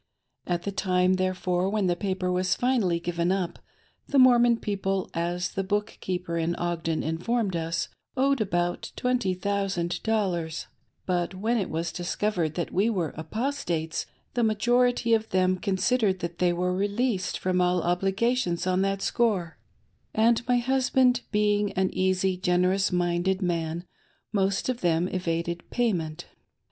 At the time, therefore when the paper wa:s finally given up, the Mormon people, as the book keeper in Ogden informed me, owed about twenty thousand dollars ; but when it was discovered that we were "Apostates," the majority of them considered that they were released from all obligations on that score, and my husband being an easy, generous minded man, most of them evaded payment.